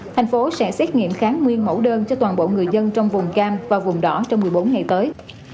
thành phố sẽ xét nghiệm kháng nguyên mẫu đơn cho toàn bộ người dân trong vùng cam và vùng đỏ trong một mươi bốn ngày tới